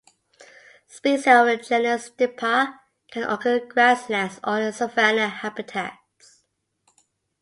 Species of the genus "Stipa" can occur in grasslands or in savanna habitats.